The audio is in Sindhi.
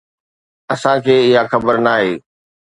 اسان کي اها خبر ناهي.